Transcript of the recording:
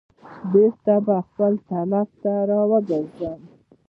بیرته به خپل طلب ته را وګرځم.